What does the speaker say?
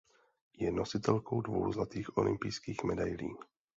Je nositelkou dvou zlatých olympijských medailí.